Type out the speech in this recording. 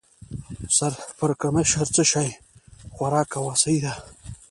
سر پړکمشر: څه شی؟ خوراک کوه، سهي ده.